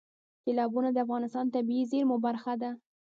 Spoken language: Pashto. سیلابونه د افغانستان د طبیعي زیرمو برخه ده.